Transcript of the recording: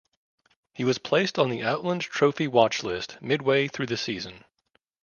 He was placed on the Outland Trophy watchlist midway through the season.